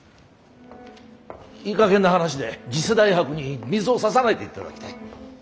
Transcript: いいかげんな話で次世代博に水をささないでいただきたい！